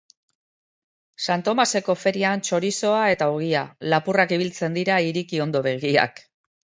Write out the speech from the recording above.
Santomaseko ferian txorizoa eta ogia; lapurrak ibiltzen dira, iriki ondo begiak.